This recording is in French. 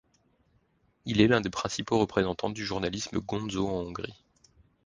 Il est l'un des principaux représentants du journalisme gonzo en Hongrie.